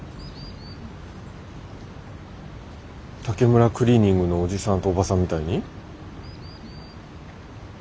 竹村クリーニングのおじさんとおばさんみたいに？